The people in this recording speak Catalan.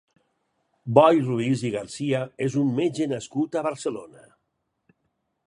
Boi Ruiz i Garcia és un metge nascut a Barcelona.